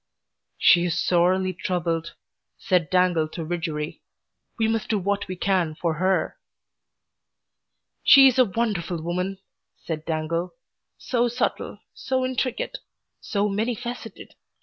"She is sorely troubled," said Dangle to Widgery. "We must do what we can for her." "She is a wonderful woman," said Dangle. "So subtle, so intricate, so many faceted.